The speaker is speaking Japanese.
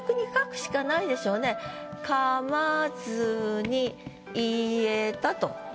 「噛まずに言えた」と。